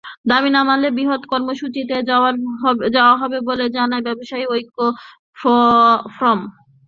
দাবি না মানলে বৃহৎ কর্মসূচিতে যাওয়া হবে বলে জানায় ব্যবসায়ী ঐক্য ফোরাম।